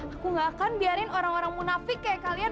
aku gak akan biarin orang orang munafik kayak kalian